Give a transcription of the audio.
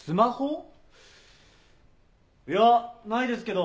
いやないですけど。